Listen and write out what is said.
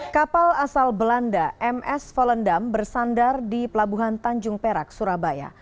kapal asal belanda ms volendam bersandar di pelabuhan tanjung perak surabaya